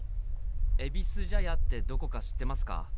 えびす茶屋ってどこか知ってますか？